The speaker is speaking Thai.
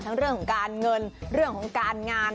เรื่องของการเงินเรื่องของการงาน